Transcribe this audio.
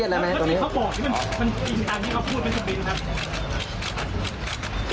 ไม่ได้น้ำหรอฮะ